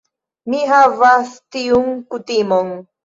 Mi havas tiun kutimon.